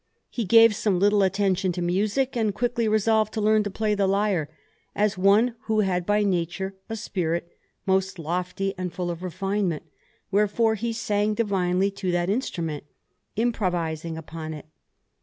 He gave some little attention to music, and quickly resolved to learn to play the lyre, as one who had by nature a spirit most lofty and full of refinement: wherefore he sang divinely to that instrument, improvising upon it.